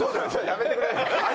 やめてくれ！